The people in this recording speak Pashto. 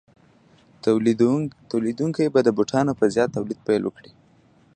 تولیدونکي به د بوټانو په زیات تولید پیل وکړي